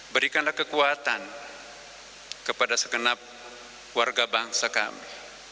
berikanlah kekuatan kepada segenap warga bangsa kami